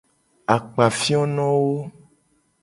Akpafionowo.